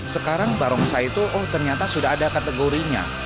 sekarang barongsai itu oh ternyata sudah ada kategorinya